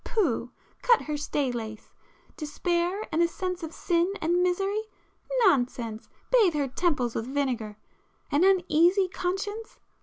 —pooh!—cut her stay lace! Despair and a sense of sin and misery?—nonsense!—bathe her temples with vinegar! An uneasy conscience?